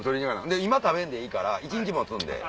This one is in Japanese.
で今食べんでいいから１日持つんで。